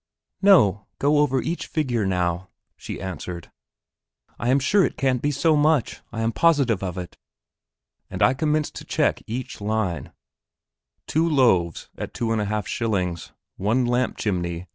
"No; go over each figure now," she answered. "I am sure it can't be so much; I am positive of it." And I commenced to check each line 2 loaves at 2 1/2d., 1 lamp chimney, 3d.